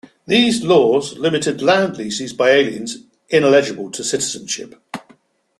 These laws limited land leases by aliens ineligible to citizenship.